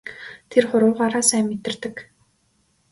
Тэр хуруугаараа сайн мэдэрдэг.